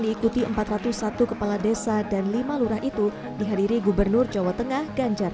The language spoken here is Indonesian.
diikuti empat ratus satu kepala desa dan lima lurah itu dihadiri gubernur jawa tengah ganjar